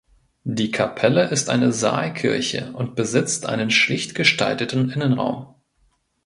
Die Kapelle ist eine Saalkirche und besitzt einen schlicht gestalteten Innenraum.